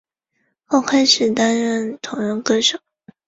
后开始担任同人歌手。